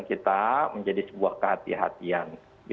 kita menjadi sebuah kehatian